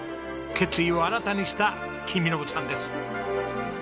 決意を新たにした公伸さんです。